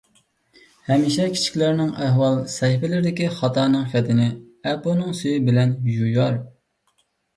ھەمىشە كىچىكلەرنىڭ ئەھۋال سەھىپىلىرىدىكى خاتانىڭ خېتىنى ئەپۇنىڭ سۈيى بىلەن يۇيار.